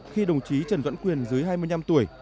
khi đồng chí trần doãn quyền dưới hai mươi năm tuổi